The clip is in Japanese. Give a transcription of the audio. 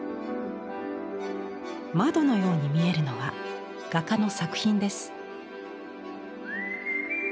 窓のように見えるのは画家の作品です。